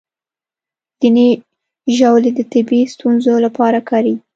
ځینې ژاولې د طبي ستونزو لپاره کارېږي.